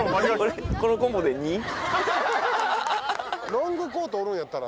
ロングコートおるんやったら。